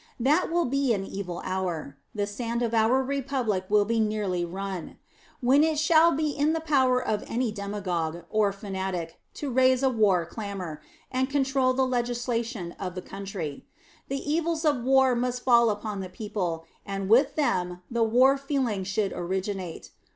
That will be an evil hour the sand of our republic will be nearly run when it shall be in the power of any demagogue, or fanatic, to raise a war clamor, and control the legislation of the country. The evils of war must fall upon the people, and with them the war feeling should originate.